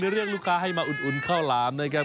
เรียกลูกค้าให้มาอุ่นข้าวหลามนะครับ